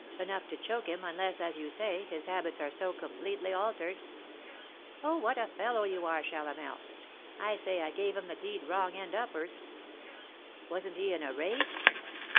Enough to choke him, unless, as you say, his habits are so completely altered." "Oh, what a fellow you are, Chalamel! I say I gave him the deed wrong end up'ards." "Wasn't he in a rage?"